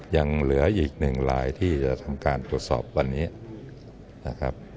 ยังเหลืออีกหนึ่งลายที่จะทำการตรวจสอบวันนี้นะครับ